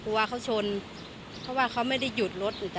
กลัวเขาชนเพราะว่าเขาไม่ได้หยุดรถ